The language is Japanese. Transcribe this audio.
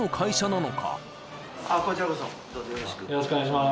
よろしくお願いします。